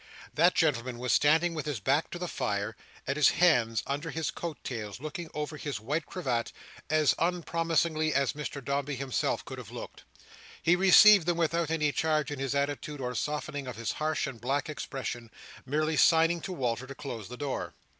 That gentleman was standing with his back to the fire, and his hands under his coat tails, looking over his white cravat, as unpromisingly as Mr Dombey himself could have looked. He received them without any change in his attitude or softening of his harsh and black expression: merely signing to Walter to close the door.